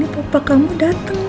ini papa kamu dateng